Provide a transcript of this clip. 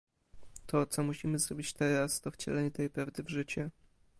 To, co musimy zrobić teraz, to wcielenie tej prawdy w życie